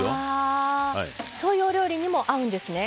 あそういうお料理にも合うんですね。